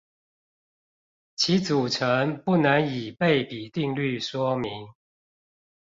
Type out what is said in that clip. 其組成不能以倍比定律說明？